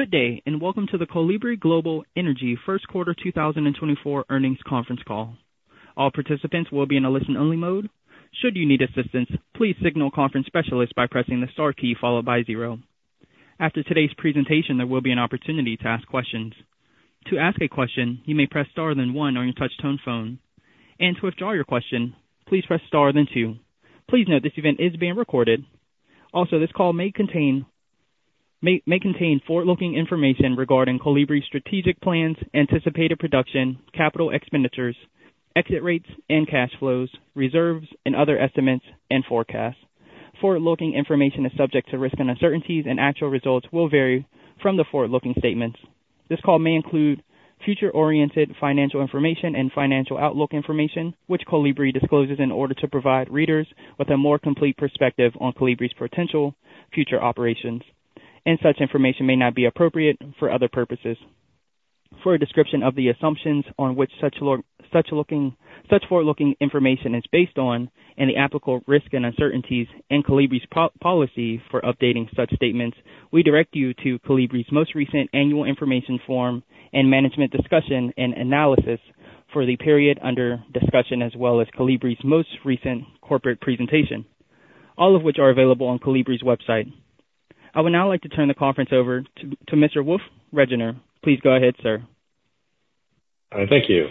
Good day, and welcome to the Kolibri Global Energy First Quarter 2024 Earnings Conference Call. All participants will be in a listen-only mode. Should you need assistance, please signal conference specialist by pressing the star key followed by zero. After today's presentation, there will be an opportunity to ask questions. To ask a question, you may press star then one on your touch-tone phone, and to withdraw your question, please press star then two. Please note, this event is being recorded. Also, this call may contain forward-looking information regarding Kolibri's strategic plans, anticipated production, capital expenditures, exit rates and cash flows, reserves, and other estimates and forecasts. Forward-looking information is subject to risks and uncertainties, and actual results will vary from the forward-looking statements. This call may include future-oriented financial information and financial outlook information, which Kolibri discloses in order to provide readers with a more complete perspective on Kolibri's potential future operations, and such information may not be appropriate for other purposes. For a description of the assumptions on which such forward-looking information is based on, and the applicable risk and uncertainties in Kolibri's policy for updating such statements, we direct you to Kolibri's most recent Annual Information Form and Management Discussion and Analysis for the period under discussion, as well as Kolibri's most recent corporate presentation, all of which are available on Kolibri's website. I would now like to turn the conference over to Mr. Wolf Regener. Please go ahead, sir. Thank you.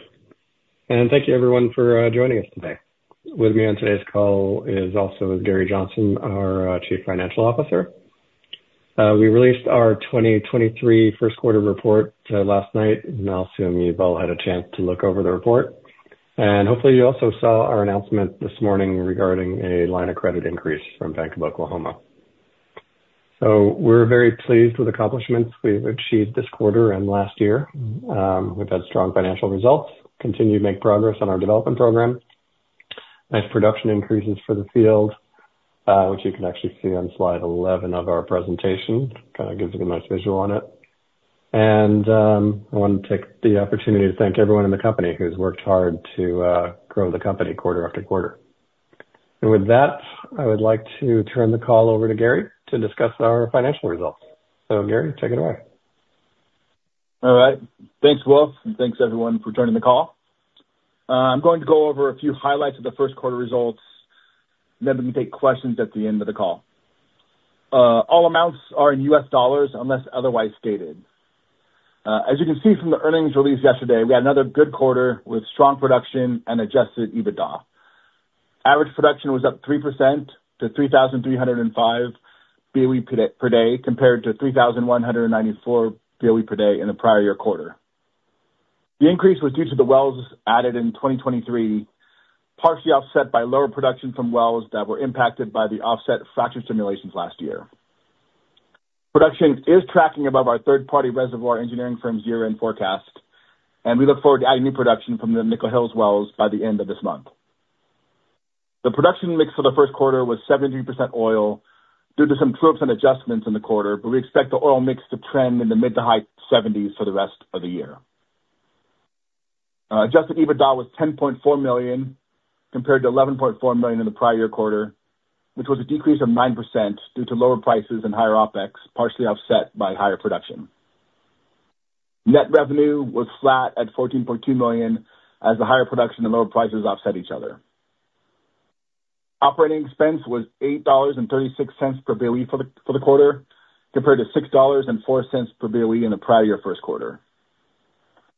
Thank you, everyone, for joining us today. With me on today's call is also Gary Johnson, our Chief Financial Officer. We released our 2023 first quarter report last night, and I'll assume you've all had a chance to look over the report. Hopefully, you also saw our announcement this morning regarding a line of credit increase from Bank of Oklahoma. So we're very pleased with the accomplishments we've achieved this quarter and last year. We've had strong financial results, continued to make progress on our development program. Nice production increases for the field, which you can actually see on Slide 11 of our presentation. Kind of gives you a nice visual on it. I want to take the opportunity to thank everyone in the company who's worked hard to grow the company quarter after quarter. With that, I would like to turn the call over to Gary to discuss our financial results. Gary, take it away. All right. Thanks, Wolf, and thanks, everyone, for joining the call. I'm going to go over a few highlights of the first quarter results, and then we can take questions at the end of the call. All amounts are in U.S. dollars, unless otherwise stated. As you can see from the earnings released yesterday, we had another good quarter with strong production and Adjusted EBITDA. Average production was up 3% to 3,305 BOE per day, compared to 3,194 BOE per day in the prior year quarter. The increase was due to the wells added in 2023, partially offset by lower production from wells that were impacted by the offset fracture stimulations last year. Production is tracking above our third-party reservoir engineering firm's year-end forecast, and we look forward to adding new production from the Nickel Hill wells by the end of this month. The production mix for the first quarter was 70% oil due to some true-ups and adjustments in the quarter, but we expect the oil mix to trend in the mid- to high 70%s for the rest of the year. Adjusted EBITDA was $10.4 million, compared to $11.4 million in the prior year quarter, which was a decrease of 9% due to lower prices and higher OpEx, partially offset by higher production. Net revenue was flat at $14.2 million, as the higher production and lower prices offset each other. Operating expense was $8.36 per BOE for the quarter, compared to $6.04 per BOE in the prior year first quarter.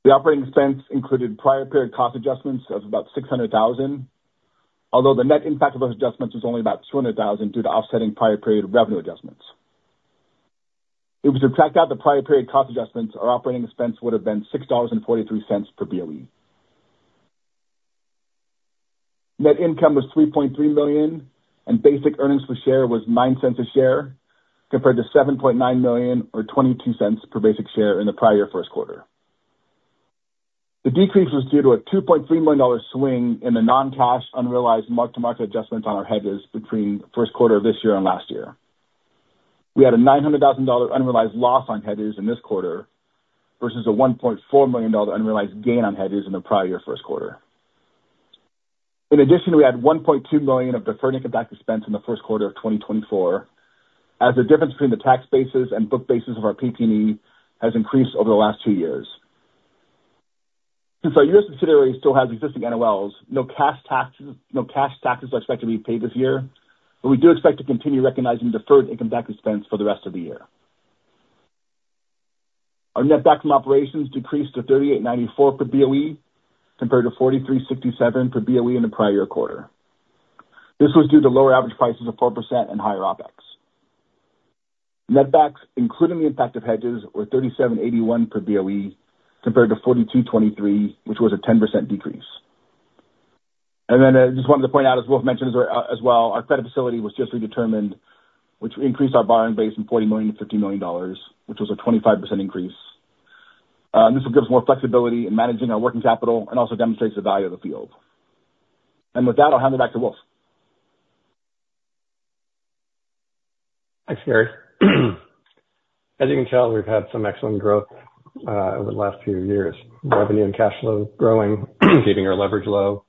The operating expense included prior period cost adjustments of about $600,000, although the net impact of those adjustments was only about $200,000, due to offsetting prior period revenue adjustments. If we subtract out the prior period cost adjustments, our operating expense would have been $6.43 per BOE. Net income was $3.3 million, and basic earnings per share was $0.09 per share, compared to $7.9 million or $0.22 per basic share in the prior year first quarter. The decrease was due to a $2.3 million swing in the non-cash unrealized mark-to-market adjustments on our hedges between first quarter of this year and last year. We had a $900,000 unrealized loss on hedges in this quarter, versus a $1.4 million unrealized gain on hedges in the prior year first quarter. In addition, we had $1.2 million of deferred income tax expense in the first quarter of 2024, as the difference between the tax bases and book bases of our PP&E has increased over the last two years. Since our year-to-date still has existing NOLs, no cash taxes, no cash taxes are expected to be paid this year, but we do expect to continue recognizing deferred income tax expense for the rest of the year. Our netback from operations decreased to $38.94 per BOE, compared to $43.67 per BOE in the prior year quarter. This was due to lower average prices of 4% and higher OpEx. Netbacks, including the impact of hedges, were $37.81 per BOE, compared to $42.23, which was a 10% decrease. And then, I just wanted to point out, as Wolf mentioned as, as well, our credit facility was just redetermined, which increased our borrowing base from $40 million to $50 million, which was a 25% increase. This will give us more flexibility in managing our working capital and also demonstrates the value of the field. And with that, I'll hand it back to Wolf. Thanks, Gary. As you can tell, we've had some excellent growth over the last few years. Revenue and cash flow growing, keeping our leverage low,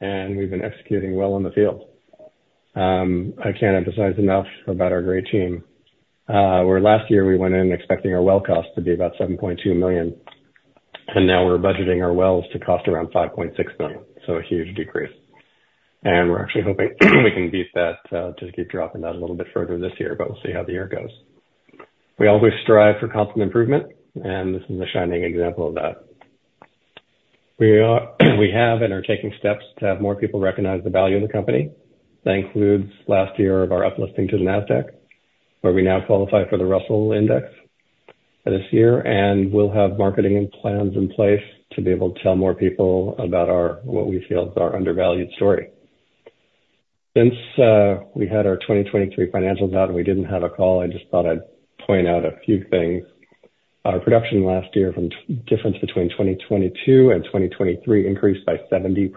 and we've been executing well in the field. I can't emphasize enough about our great team. Where last year we went in expecting our well cost to be about $7.2 million, and now we're budgeting our wells to cost around $5.6 million. So a huge decrease, and we're actually hoping we can beat that to keep dropping that a little bit further this year, but we'll see how the year goes. We always strive for constant improvement, and this is a shining example of that. We are, we have and are taking steps to have more people recognize the value of the company. That includes last year of our uplisting to the Nasdaq, where we now qualify for the Russell Index this year, and we'll have marketing and plans in place to be able to tell more people about our, what we feel is our undervalued story. Since, we had our 2023 financials out and we didn't have a call, I just thought I'd point out a few things. Our production last year from difference between 2022 and 2023 increased by 70%,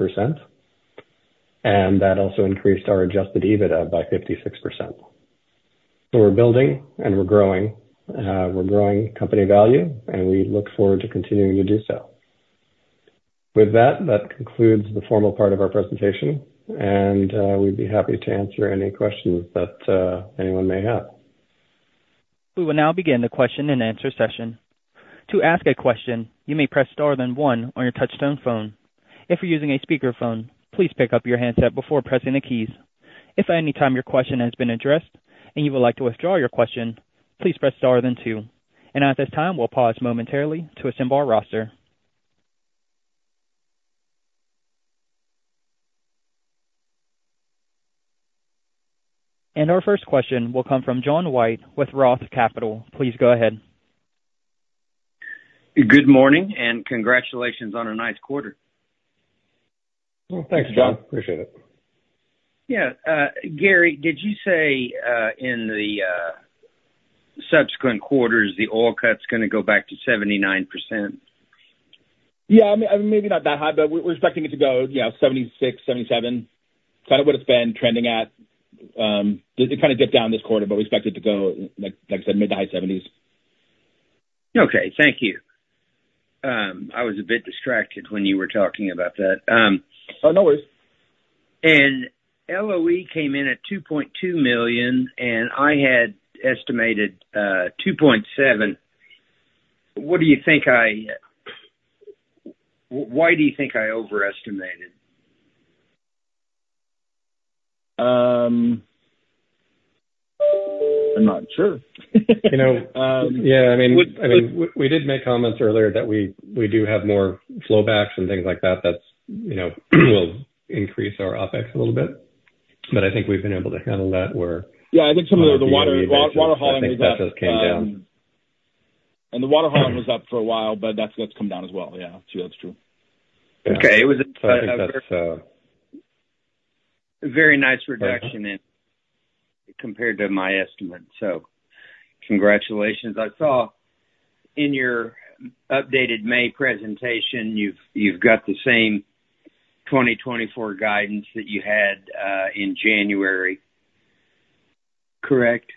and that also increased our Adjusted EBITDA by 56%. So we're building, and we're growing. We're growing company value, and we look forward to continuing to do so. With that, that concludes the formal part of our presentation, and, we'd be happy to answer any questions that, anyone may have. We will now begin the question-and-answer session. To ask a question, you may press star then one on your touch-tone phone. If you're using a speakerphone, please pick up your handset before pressing the keys. If at any time your question has been addressed and you would like to withdraw your question, please press star then two. At this time, we'll pause momentarily to assemble our roster. Our first question will come from John White with Roth Capital. Please go ahead. Good morning, and congratulations on a nice quarter. Well, thanks, John. Appreciate it. Yeah, Gary, did you say, in the subsequent quarters, the oil cut's gonna go back to 79%? Yeah, I mean, maybe not that high, but we're expecting it to go, you know, 76%-77%. Kind of what it's been trending at. It kind of get down this quarter, but we expect it to go, like, like I said, mid-to-high 70s. Okay. Thank you. I was a bit distracted when you were talking about that. Oh, no worries. And LOE came in at $2.2 million, and I had estimated $2.7 million. What do you think. Why do you think I overestimated? I'm not sure. You know, yeah, I mean, we did make comments earlier that we do have more flowbacks and things like that. That's, you know, will increase our OpEx a little bit. But I think we've been able to handle that, where- Yeah, I think some of the water hauling that- Things just came down. The water hauling was up for a while, but that's what's come down as well. Yeah, so that's true. Okay. It was a- So I think that's. Very nice reduction in, compared to my estimate, so congratulations. I saw in your updated May presentation, you've got the same 2024 guidance that you had in January. Correct?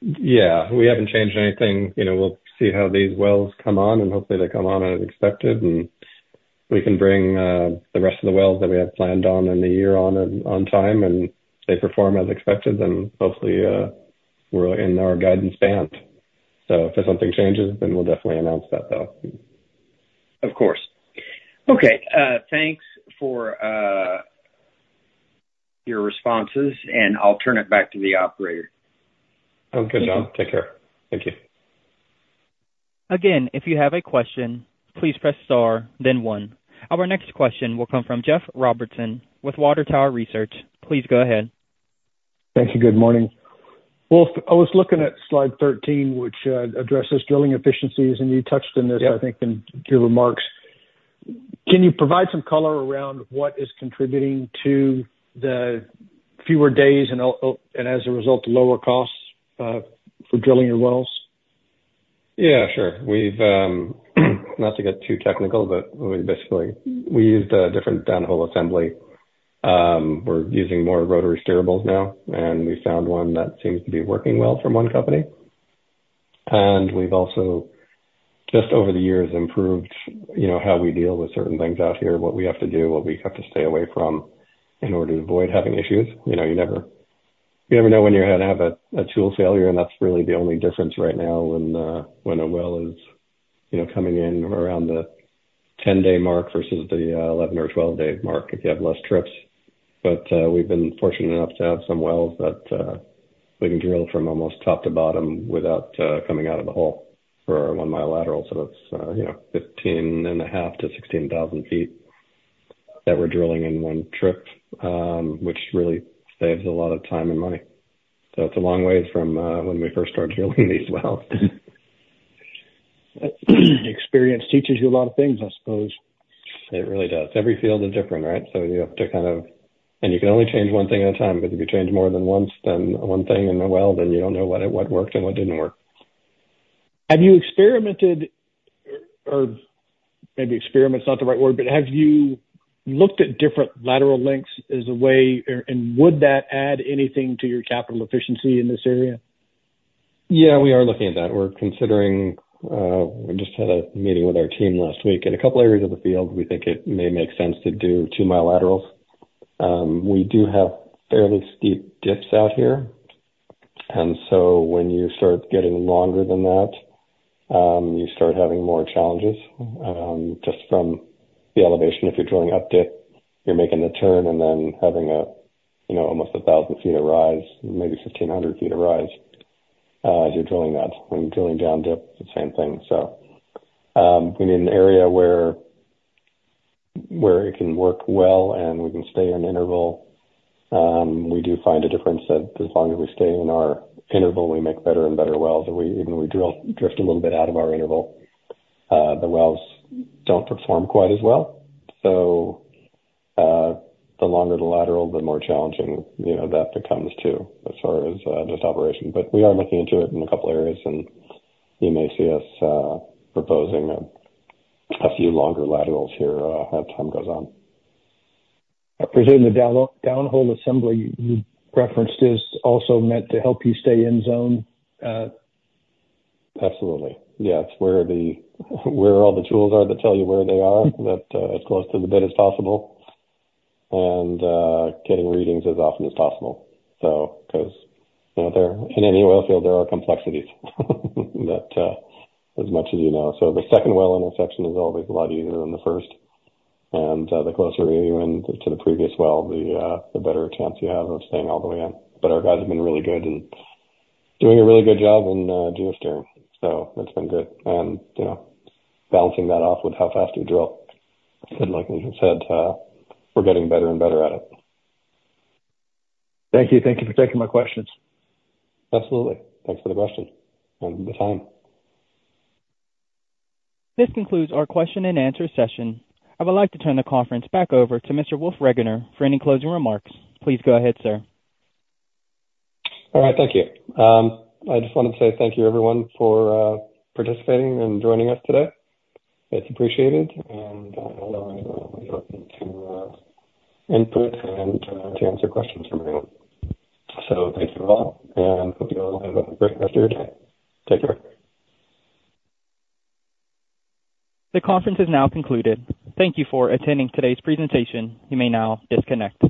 Yeah. We haven't changed anything. You know, we'll see how these wells come on, and hopefully they come on as expected, and we can bring the rest of the wells that we have planned on in the year on, on time, and they perform as expected, then hopefully, we're in our guidance band. So if something changes, then we'll definitely announce that, though. Of course. Okay, thanks for your responses, and I'll turn it back to the operator. Oh, good, John. Take care. Thank you. Again, if you have a question, please press star then one. Our next question will come from Jeff Robertson with Water Tower Research. Please go ahead. Thank you. Good morning. Well, I was looking at Slide 13, which addresses drilling efficiencies, and you touched on this- Yep. I think, in your remarks. Can you provide some color around what is contributing to the fewer days and as a result, the lower costs for drilling your wells? Yeah, sure. We've not to get too technical, but we basically, we used a different downhole assembly. We're using more rotary steerables now, and we found one that seems to be working well from one company. And we've also, just over the years, improved, you know, how we deal with certain things out here, what we have to do, what we have to stay away from in order to avoid having issues. You know, you never, you never know when you're gonna have a, a tool failure, and that's really the only difference right now when, when a well is, you know, coming in around the 10-day mark versus the, 11 or 12-day mark, if you have less trips. But, we've been fortunate enough to have some wells that we can drill from almost top to bottom without coming out of the hole for one of my laterals. So that's, you know, 15,500 ft-16,000 ft that we're drilling in one trip, which really saves a lot of time and money. So it's a long way from when we first started drilling these wells. Experience teaches you a lot of things, I suppose. It really does. Every field is different, right? So you have to kind of, and you can only change one thing at a time, because if you change more than one thing in the well, then you don't know what, what worked and what didn't work. Have you experimented, or maybe experiment's not the right word, but have you looked at different lateral lengths as a way, or and would that add anything to your capital efficiency in this area? Yeah, we are looking at that. We're considering, we just had a meeting with our team last week. In a couple areas of the field, we think it may make sense to do 2-mile laterals. We do have fairly steep dips out here, and so when you start getting longer than that, you start having more challenges, just from the elevation. If you're drilling updip, you're making the turn and then having a, you know, almost 1,000 ft of rise, maybe 1,500 ft of rise, as you're drilling that, and drilling downdip, the same thing. So, in an area where it can work well and we can stay in interval, we do find a difference that as long as we stay in our interval, we make better and better wells, and we even drift a little bit out of our interval, the wells don't perform quite as well. So, the longer the lateral, the more challenging, you know, that becomes too, as far as just operation. But we are looking into it in a couple areas, and you may see us proposing a few longer laterals here, as time goes on. I presume the downhole assembly you referenced is also meant to help you stay in zone? Absolutely. Yeah, it's where all the tools are that tell you where they are, that, as close to the bit as possible, and, getting readings as often as possible. So because, you know, there in any oil field, there are complexities, that, as much as you know. So the second well in a section is always a lot easier than the first, and, the closer you went to the previous well, the, the better chance you have of staying all the way in. But our guys have been really good and doing a really good job in, geosteering, so that's been good. And, you know, balancing that off with how fast we drill, and like we said, we're getting better and better at it. Thank you. Thank you for taking my questions. Absolutely. Thanks for the question and the time. This concludes our question-and-answer session. I would like to turn the conference back over to Mr. Wolf Regener for any closing remarks. Please go ahead, sir. All right. Thank you. I just wanted to say thank you, everyone, for participating and joining us today. It's appreciated, and I always look forward to input and to answer questions from everyone. So thanks, everyone, and hope you all have a great rest of your day. Take care. The conference is now concluded. Thank you for attending today's presentation. You may now disconnect.